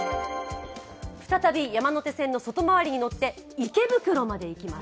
再び山手線の外回りに乗って池袋まで行きます